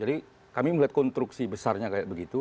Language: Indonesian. jadi kami melihat konstruksi besarnya kayak begitu